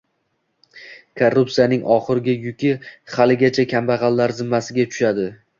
Korrupsiyaning oxirgi yuki haligacha kambag'allar zimmasiga tushadi